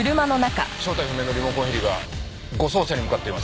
正体不明のリモコンヘリが護送車に向かっています。